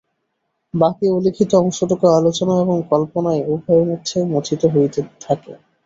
বাকি অলিখিত অংশটুকু আলোচনা এবং কল্পনায় উভয়ের মধ্যে মথিত হইতে থাকে।